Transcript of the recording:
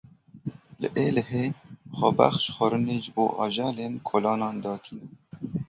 Li Êlihê xwebexş xwarinê ji bo ajelên kolanan datînin.